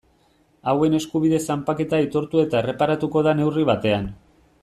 Hauen eskubide zanpaketa aitortu eta erreparatuko da neurri batean.